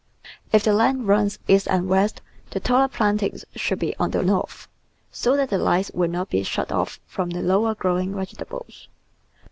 If the land runs east and west the taller plantings should be on the north, so that the light will not be shut off from the lower growing vegetables.